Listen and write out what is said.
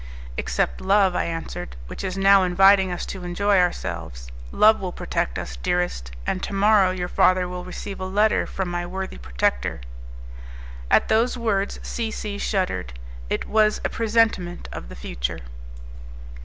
"Except Love," I answered, "which is now inviting us to enjoy ourselves. Love will protect us, dearest, and to morrow your father will receive a letter from my worthy protector." At those words C C shuddered. It was a presentiment of the future.